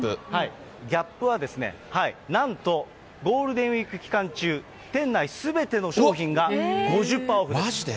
ギャップはゴールデンウィーク期間中、店内すべての商品が５０パーオフです。